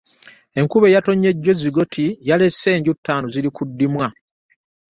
Enkuba eyatonnye jjo e Zigoti yalese enju ttaano ziri ku ddimwa.